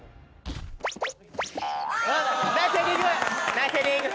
ナイスヘディング！